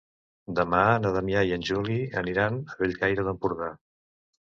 Demà na Damià i en Juli aniran a Bellcaire d'Empordà.